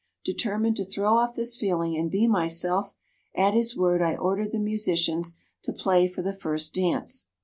Determined to throw off this feeling and be myself, at his word I ordered the musicians to play for the first dance.